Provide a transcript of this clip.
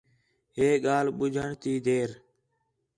ہے ڳالھ ٻُجھݨ تی دیر